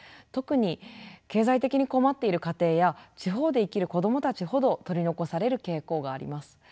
特に経済的に困っている家庭や地方で生きる子どもたちほど取り残される傾向があります。